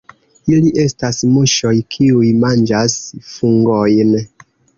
Ili estas muŝoj, kiuj manĝas fungojn.